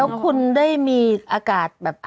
แล้วคุณได้มีอากาศแบบ